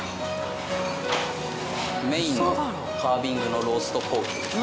メインのカービングのローストポークです。